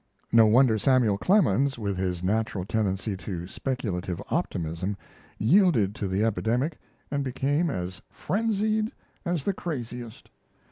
No wonder Samuel Clemens, with his natural tendency to speculative optimism, yielded to the epidemic and became as "frenzied as the craziest."